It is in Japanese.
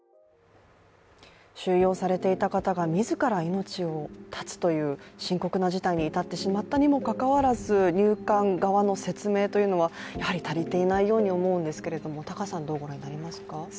収容されていた方が自ら命を絶つという深刻な事態に至ってしまったにもかかわらず入管側の説明はやはり足りていないように思うんですが、どうご覧になりますか？